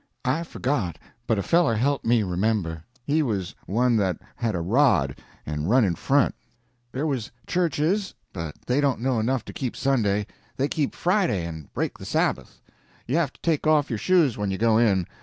I forgot, but a feller helped me to remember. He was one that had a rod and run in front. There was churches, but they don't know enough to keep Sunday; they keep Friday and break the Sabbath. You have to take off your shoes when you go in.